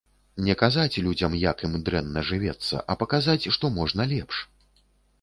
Не казаць людзям, як ім дрэнна жывецца, а паказаць, што можна лепш.